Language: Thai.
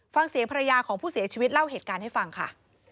ฟังเสียงภรรยาของผู้เสียชีวิตเล่าเหตุการณ์ให้ฟังค่ะ